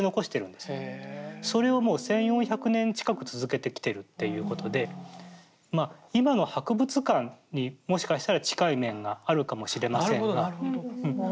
それをもう１，４００年近く続けてきてるっていうことでまあ今の博物館にもしかしたら近い面があるかもしれませんが。